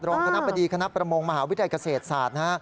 รองคณะบดีคณะประมงมหาวิทยาลัยเกษตรศาสตร์